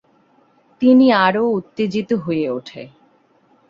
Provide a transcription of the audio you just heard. তিনি আরও উত্তেজিত হয়ে ওঠে।